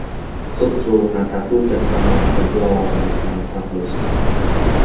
Сот жообуна тартылып жаткандар тергөө абагында камакта калышты.